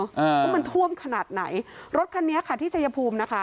ว่ามันท่วมขนาดไหนรถคันนี้ค่ะที่ชายภูมินะคะ